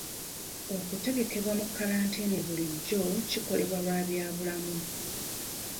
Okutegekebwa mu kalantiini bulijjo kikolebwa lwa bya bulamu.